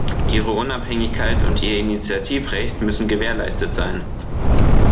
Ihre Unabhängigkeit und ihr Initiativrecht müssen gewährleistet sein.